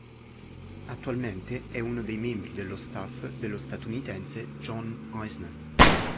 Attualmente è uno dei membri dello staff dello statunitense John Isner.